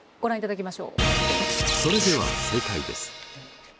それでは正解です。